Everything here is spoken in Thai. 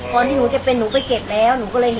พอที่นูจะไปเก็บแล้ว